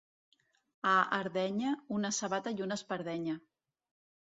A Ardenya, una sabata i una espardenya.